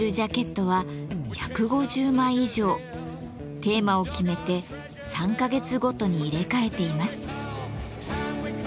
テーマを決めて３か月ごとに入れ替えています。